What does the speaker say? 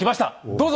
どうぞ！